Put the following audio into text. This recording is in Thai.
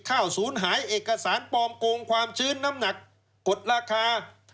ศูนย์หายเอกสารปลอมโกงความชื้นน้ำหนักกดราคา